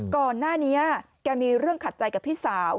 ก่อนหน้านี้แกมีเรื่องขัดใจกับพี่สาว